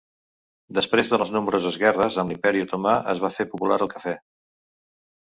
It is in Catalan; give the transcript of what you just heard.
Després de les nombroses guerres amb l'Imperi Otomà, es va fer popular el cafè.